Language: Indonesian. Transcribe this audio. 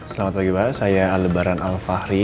selamat pagi pak saya lebaran al fahri